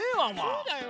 そうだよ。